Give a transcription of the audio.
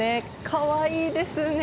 かわいいですね。